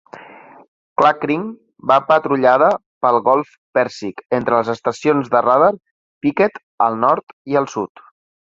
"Klakring" va patrullada pel golf Pèrsic entre les estacions de radar Picket al nord i al sud.